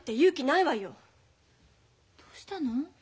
どうしたの？